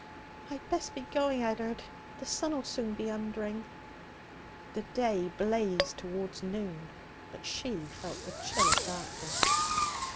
'I'd best be going, Ed'ard. The sun'll soon be undering.' The day blazed towards noon, but she felt the chill of darkness.